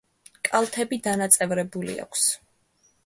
კალთები დანაწევრებული აქვს.